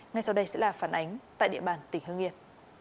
ngay sau đây sẽ là phản ánh tại địa bàn tỉnh hương yên